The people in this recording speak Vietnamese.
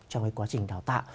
trong cái quá trình đào tạo